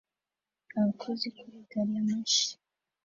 Abakozi kuri gari ya moshi